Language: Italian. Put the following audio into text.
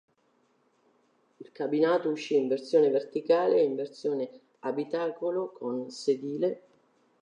Il cabinato uscì in versione verticale e in versione abitacolo con sedile.